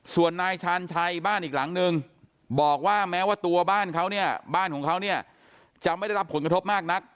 ส่วนนายชาญชัยบ้านอีกหลังนึงบอกว่าแม้ว่าตัวบ้านเขาเนี่ยบ้านของเขาเนี่ยจะไม่ได้รับผลกระทบมากนัก